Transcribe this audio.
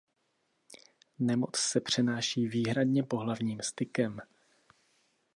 Nemoc se přenáší výhradně pohlavním stykem.